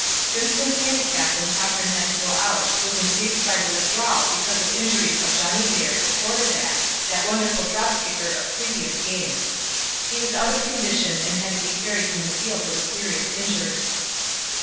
Princeton's handicap when Cochran had to go out was increased by the withdrawal because of injuries of Johnny Baird, the quarterback, that wonderful drop kicker of previous games. He was out of condition and had to be carried from the field with a serious injury.